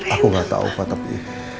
aku gak tau apa tapi